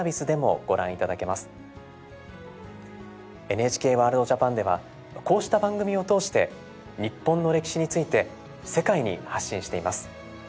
「ＮＨＫワールドＪＡＰＡＮ」ではこうした番組を通して日本の歴史について世界に発信しています。